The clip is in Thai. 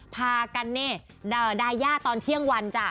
พากันเน่บ้างอะไรกันตอนเที่ยงวันจ้ะ